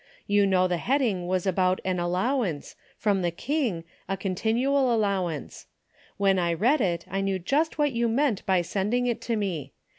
You know the heading was about an allowance, from the king, a con tinual allowance. When I read it I knew just what you meant by sending it to me.